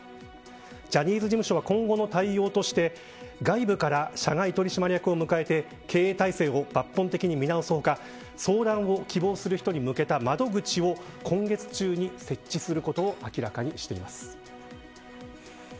ジャニーズ事務所は今後の対応として外部から社内取締役を迎えて経営対策を抜本的に見直す他相談を希望する人向けの窓口を今月中に設置することを明らかにしています。